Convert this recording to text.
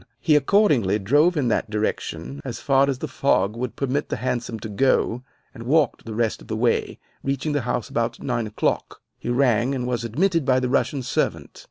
He accordingly drove in that direction, as far as the fog would permit the hansom to go, and walked the rest of the way, reaching the house about nine o'clock. He rang, and was admitted by the Russian servant.